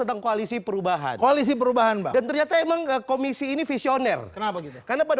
tentang koalisi perubahan koalisi perubahan bahwa ternyata emang komisi ini visioner karena pada